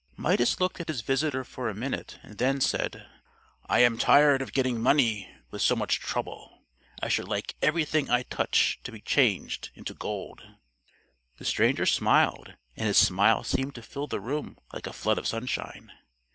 Midas looked at his visitor for a minute, and then said, "I am tired of getting money with so much trouble. I should like everything I touch to be changed into gold." The stranger smiled, and his smile seemed to fill the room like a flood of sunshine.